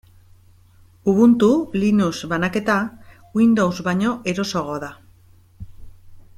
Ubuntu, Linux banaketa, Windows baino erosoagoa da.